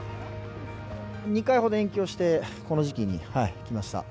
２回ほど延期をして、この時期に来ました。